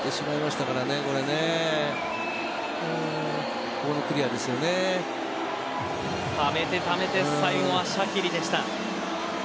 ためてためて最後はシャキリでした。